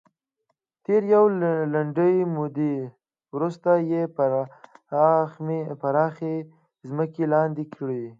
تر یوې لنډې مودې وروسته یې پراخې ځمکې لاندې کړې.